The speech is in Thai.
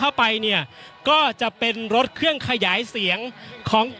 อย่างที่บอกไปว่าเรายังยึดในเรื่องของข้อ